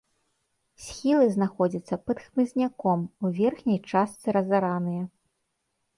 Схілы знаходзяцца пад хмызняком, у верхняй частцы разараныя.